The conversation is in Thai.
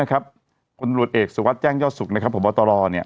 คุณตำรวจเอกสวัสดิ์แจ้งย่อสุขบตร